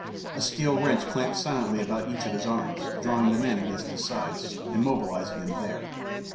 A steel wrench clamped silently about each of his arms, drawing them in against his sides, immobilizing them there.